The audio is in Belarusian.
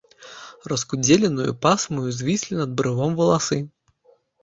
Раскудзеленаю пасмаю звіслі над брывом валасы.